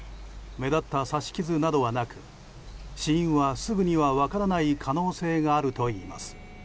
目立った刺し傷などはなく死因はすぐには分からない可能性があるといいます。